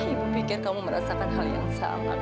ibu pikir kamu merasakan hal yang salah amira